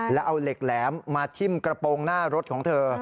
แล้วเอาเหล็กแหลมมาทิ้มกระโปรงหน้ารถของเธอ